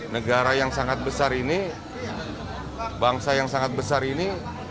negara yang sangat besar ini bangsa yang sangat besar ini